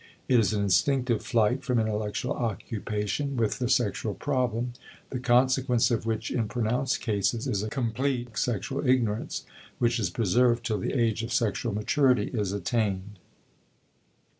It is an instinctive flight from intellectual occupation with the sexual problem, the consequence of which in pronounced cases is a complete sexual ignorance, which is preserved till the age of sexual maturity is attained.